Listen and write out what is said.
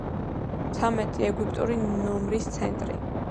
ცამეტი ეგვიპტური ნომის ცენტრი.